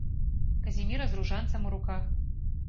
Казіміра з ружанцам у руках.